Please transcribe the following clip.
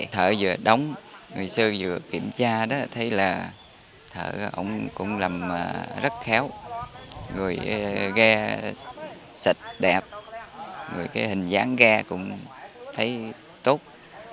thợ vừa đóng người sư vừa kiểm tra đó thấy là thợ ông cũng làm rất khéo rồi ghe sạch đẹp rồi cái hình dáng ghe cũng thấy tốt